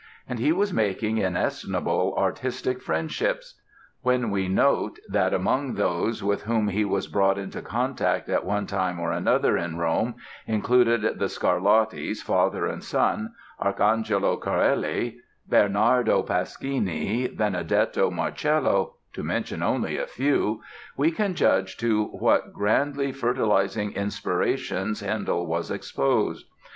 And he was making inestimable artistic friendships. When we note that among those with whom he was brought into contact at one time or another in Rome included the Scarlattis, father and son; Arcangelo Corelli, Bernardo Pasquini, Benedetto Marcello—to mention only a few—we can judge to what grandly fertilizing inspirations Handel was exposed.